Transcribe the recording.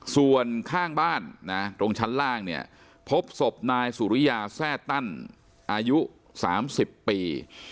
ส่วนข้างบ้านนะตรงชั้นล่างเนี่ยพบศพนายสุริยาแซ่ตั้นอายุ๓๐ปี